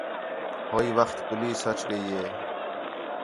ہوئی وخت پولیس اَچ ڳئی ہِے